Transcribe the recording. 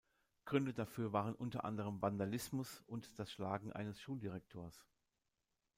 Gründe dafür waren unter anderem Vandalismus und das Schlagen eines Schuldirektors.